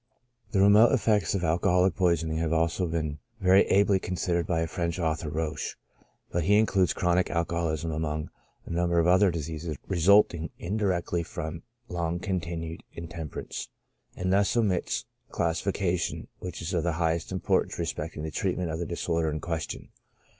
The remote effects of alcoholic poisoning have been also very ably considered by a French author — Roesch ; but he includes chronic alcoholism among a number of other diseases resulting indirectly from long continued intemperance, and thus omits a classification which is of the highest import ance respecting the treatment of the disorder in question.